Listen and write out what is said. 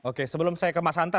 oke sebelum saya ke mas hanta